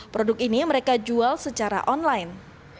produk ini mereka jual secara online